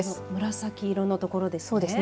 紫色の所ですね。